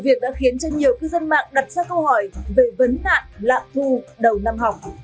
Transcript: việc đã khiến cho nhiều cư dân mạng đặt ra câu hỏi về vấn nạn lạc thu đầu năm học